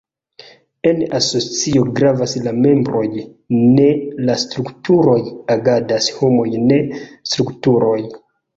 En asocio gravas la membroj ne la strukturoj; agadas homoj ne strukturoj.